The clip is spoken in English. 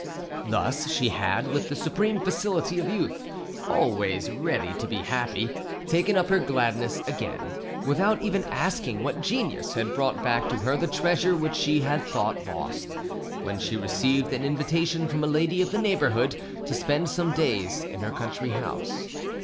Thus she had, with the supreme facility of youth, always ready to be happy, taken up her gladness again, without even asking what genius had brought back to her the treasure which she had thought lost, when she received an invitation from a lady of the neighbourhood to spend some days in her country house.